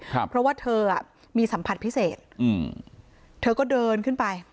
เพราะว่าเธออ่ะมีสัมผัสพิเศษอืมเธอก็เดินขึ้นไป